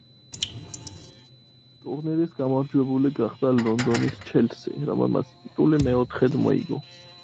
ტურნირის გამარჯვებული გახდა ლონდონის „ჩელსი“, რომელმაც ტიტული მეოთხედ მოიგო.